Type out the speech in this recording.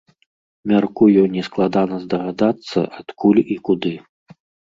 Мяркую, нескладана здагадацца, адкуль і куды.